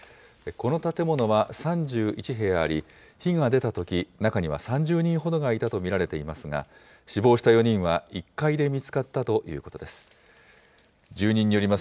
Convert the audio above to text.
この建物は３１部屋あり、火が出たとき中には３０人ほどがいたと見られていますが、死亡した４人は１階で見つかったということです。